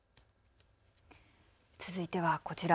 続いてはこちら。